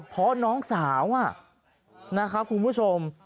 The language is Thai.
เพราะน้องสาวนะครับคุณผู้ชม